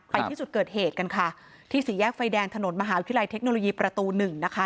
ที่จุดเกิดเหตุกันค่ะที่สี่แยกไฟแดงถนนมหาวิทยาลัยเทคโนโลยีประตูหนึ่งนะคะ